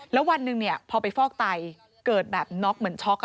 แล้ววันหนึ่งพอไปฟอกไตเกิดแบบน็อกเหมือนช็อก